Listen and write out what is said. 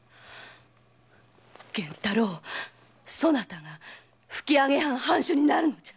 源太郎そなたが吹上藩・藩主になるのじゃ。